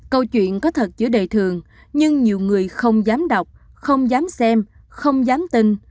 câu chuyện có thật giữa đời thường nhưng nhiều người không dám đọc không dám xem không dám tin